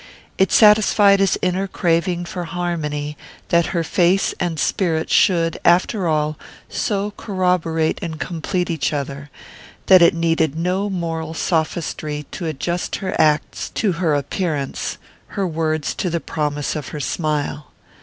It satisfied his inner craving for harmony that her face and spirit should, after all, so corroborate and complete each other; that it needed no moral sophistry to adjust her acts to her appearance, her words to the promise of her smile.